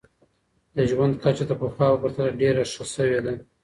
د ژوند کچه د پخوا په پرتله ډېره ښه سوي ده.